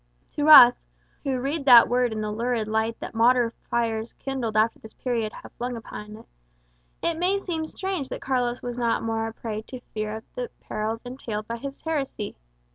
To us, who read that word in the lurid light that martyr fires kindled after this period have flung upon it, it may seem strange that Carlos was not more a prey to fear of the perils entailed by his heresy.